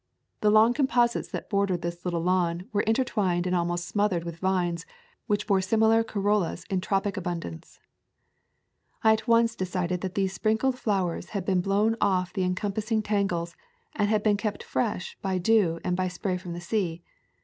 The long com posites that bordered this little lawn were en twined and almost smothered with vines which bore similar corollas in tropic abundance. I at once decided that these sprinkled flow ers had been blown off the encompassing tangles and had been kept fresh by dew and by spray from the sea.